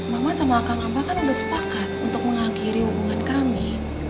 mama sama akang aba kan udah sepakat untuk mengakhiri hubungan kami